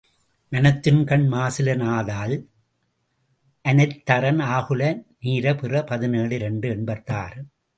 மனத்துக்கண் மாசிலன் ஆதல் அனைத்தறன் ஆகுல நீர பிற பதினேழு இரண்டு எண்பத்தாறு.